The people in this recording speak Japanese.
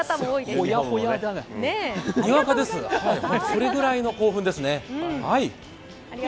にわかです、それぐらいの興奮ですね。